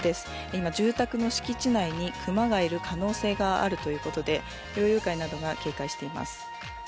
今、住宅の敷地内に熊がいる可能性があるということで猟友会などが警戒しています。